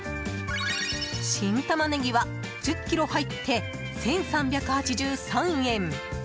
新タマネギは１０ｋｇ入って１３８３円。